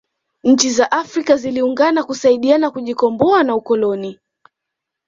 nchi za afrika ziliungana kusaidiana kujikomboa na ukoloni